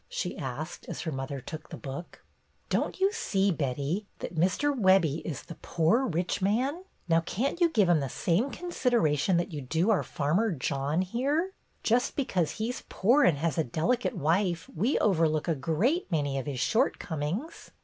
she asked, as her mother took the book. "Don't you see, Betty, that Mr. Webbie is ' the Poor Rich Man '? Now, can't you give him the same consideration that you do our farmer John here? Just because he 's poor and has a delicate wife we overlook a great many of his shortcomings."